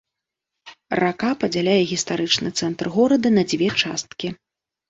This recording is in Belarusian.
Рака падзяляе гістарычны цэнтр горада на дзве часткі.